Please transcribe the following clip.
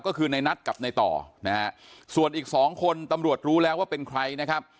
ก็คือในนัทกับในต่อนะฮะส่วนอีกสองคนตำรวจรู้แล้วว่าเป็นใครนะครับ